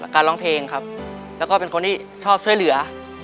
การร้องเพลงครับแล้วก็เป็นคนที่ชอบช่วยเหลือ